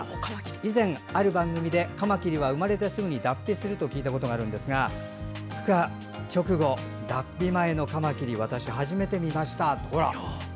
以前、ある番組でカマキリは生まれてすぐに脱皮すると聞いたことがあるんですがふ化直後、脱皮前のカマキリは初めて見ました。